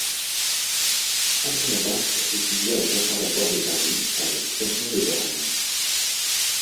Adrien Barthe étudia au Conservatoire de Paris avec Fernand Le Borne.